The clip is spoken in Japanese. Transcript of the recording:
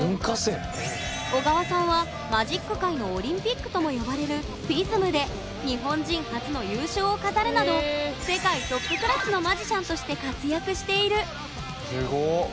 緒川さんはマジック界のオリンピックとも呼ばれるＦＩＳＭで日本人初の優勝を飾るなど世界トップクラスのマジシャンとして活躍している。